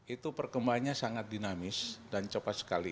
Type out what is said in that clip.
itu perkembangannya sangat dinamis dan cepat sekali